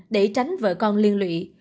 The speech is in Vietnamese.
để tránh vợ con liên lụy